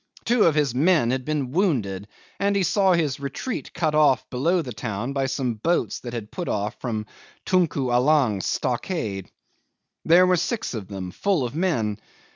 Two of his men had been wounded, and he saw his retreat cut off below the town by some boats that had put off from Tunku Allang's stockade. There were six of them, full of men.